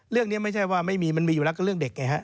เรื่องนี้ไม่ใช่ว่าไม่มีมันมีอยู่แล้วก็เรื่องเด็กไงฮะ